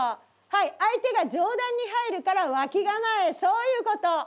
はい相手が上段に入るから脇構えそういうこと。